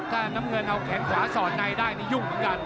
ถ้าน้ำเงินเอาแขนขวาสอดในได้นี่ยุ่งเหมือนกัน